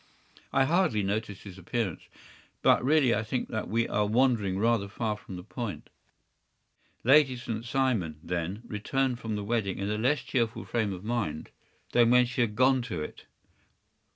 I hardly noticed his appearance. But really I think that we are wandering rather far from the point.” “Lady St. Simon, then, returned from the wedding in a less cheerful frame of mind than she had gone to it.